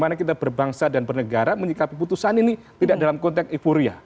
bagaimana kita berbangsa dan bernegara menyikapi putusan ini tidak dalam konteks euforia